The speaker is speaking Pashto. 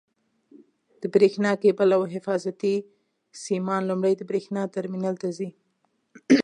د برېښنا کېبل او حفاظتي سیمان لومړی د برېښنا ټرمینل ته ځي.